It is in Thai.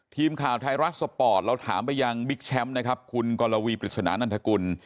ทีมข่าวไทยรัฐสปอร์ตเราถามไปยังบิ๊กแชมป์นะครับคุณกรวีปริศนานันทกุล